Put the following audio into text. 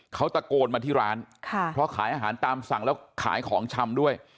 เขาตะโกนมาที่ร้านเพราะขายอาหารตามสั่งแล้วขายของชำด้วย